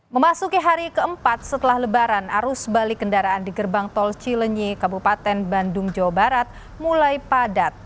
memasuki hari keempat setelah lebaran arus balik kendaraan di gerbang tol cilenyi kabupaten bandung jawa barat mulai padat